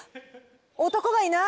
男がいない！